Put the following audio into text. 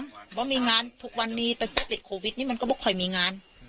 มันก็มีงานทุกวันมีแต่เจ้าปีโควิดนี้มันก็ไม่ค่อยมีงาน